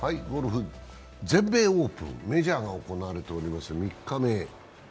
全米オープン、メジャーが行われております、３日目。